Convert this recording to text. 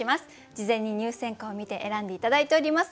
事前に入選歌を見て選んで頂いております。